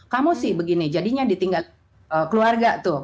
kamu sih begini jadinya ditinggal keluarga tuh